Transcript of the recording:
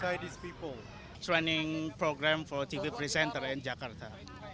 kami mengadakan latihan program untuk presenter tv di jakarta